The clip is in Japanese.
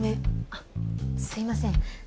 あっすいません。